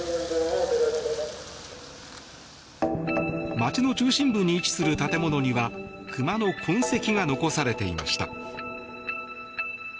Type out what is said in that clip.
街の中心部に位置する建物には熊の痕跡が残されていました。